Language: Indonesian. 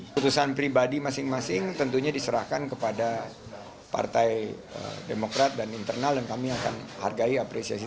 putusan pribadi masing masing tentunya diserahkan kepada partai demokrat dan internal dan kami akan hargai apresiasi